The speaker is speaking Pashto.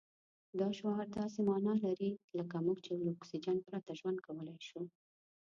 دا شعار داسې مانا لري لکه موږ چې له اکسجن پرته ژوند کولای شو.